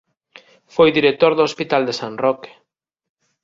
Foi director do Hospital de San Roque.